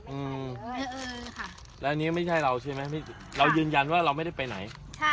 อ๋ออืมเออเออค่ะแล้วนี้ไม่ใช่เราใช่ไหมไม่ใช่เรายืนยันว่าเราไม่ได้ไปไหน